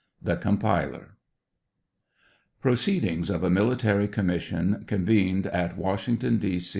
THE COMPILER. Proceedings of a military commission, convened at Washington, D.